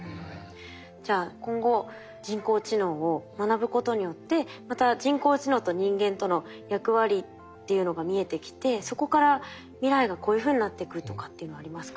じゃあ今後人工知能を学ぶことによってまた人工知能と人間との役割っていうのが見えてきてそこから未来がこういうふうになってくとかっていうのありますか？